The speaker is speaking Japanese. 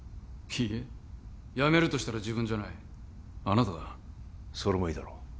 ＤＣＵいいえ辞めるとしたら自分じゃないあなただそれもいいだろう